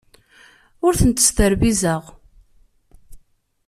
Ur tent-sderbizeɣ.